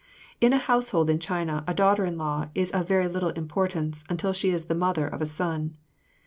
In a household in China a daughter in law is of very little importance until she is the mother of a son.